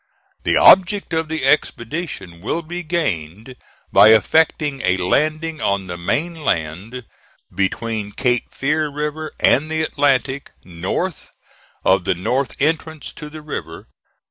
The object of the expedition will be gained by effecting a landing on the main land between Cape Fear River and the Atlantic, north of the north entrance to the river.